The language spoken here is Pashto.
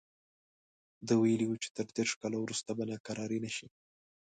ده ویلي وو چې تر دېرش کاله وروسته به ناکراري نه شي.